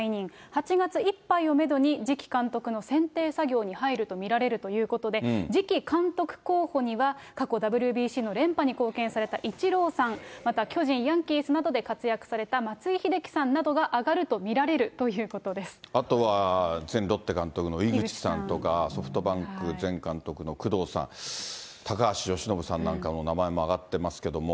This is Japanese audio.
８月いっぱいをメドに、次期監督の選定作業に入ると見られるということで、次期監督候補には、過去、ＷＢＣの連覇に貢献されたイチローさん、また、巨人、ヤンキースなどで活躍された松井秀喜さんなどが挙がると見られるあとは前ロッテ監督の井口さんとか、ソフトバンク前監督の工藤さん、高橋由伸さんなんかの名前も挙がってますけども。